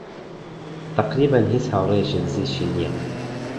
تەقریبەن هیچ هاوڕێیەکی نزیکی نییە.